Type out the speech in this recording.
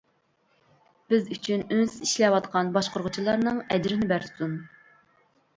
بىز ئۈچۈن ئۈنسىز ئىشلەۋاتقان باشقۇرغۇچىلارنىڭ ئەجرىنى بەرسۇن.